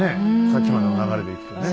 さっきまでの流れでいくとね。